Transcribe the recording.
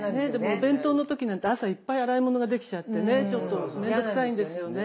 お弁当の時なんて朝いっぱい洗い物ができちゃってねちょっとめんどくさいんですよね。